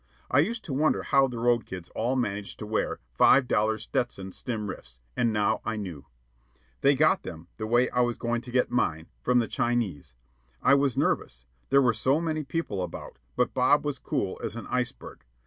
I used to wonder how the road kids all managed to wear "five dollar Stetson stiff rims," and now I knew. They got them, the way I was going to get mine, from the Chinese. I was nervous there were so many people about; but Bob was cool as an iceberg.